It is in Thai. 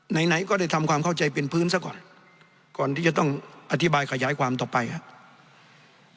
ไหนไหนก็ได้ทำความเข้าใจเป็นพื้นซะก่อนก่อนที่จะต้องอธิบายขยายความต่อไปครับ